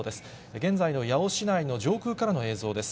現在の八尾市内の上空からの映像です。